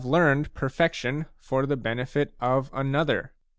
learned perfection for the benefit of another.